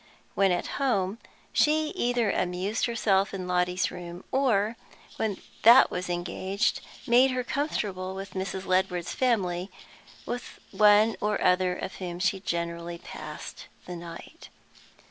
When at home, she either amused herself in Lotty's room, or, when that was engaged, made herself comfortable with Mrs. Ledward's family, with one or other of whom she generally passed the night.